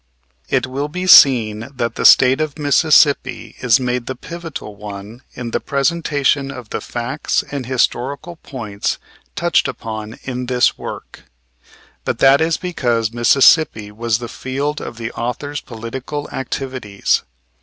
It will be seen that the State of Mississippi is made the pivotal one in the presentation of the facts and historical points touched upon in this work; but that is because Mississippi was the field of the author's political activities.